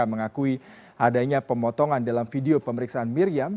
mengakui adanya pemotongan dalam video pemeriksaan miriam